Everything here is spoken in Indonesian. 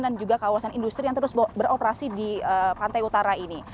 dan juga kawasan industri yang terus beroperasi di pantai utara ini